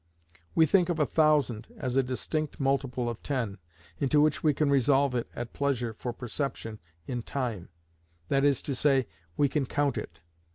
We think of a thousand as a distinct multiple of ten, into which we can resolve it at pleasure for perception in time,—that is to say, we can count it.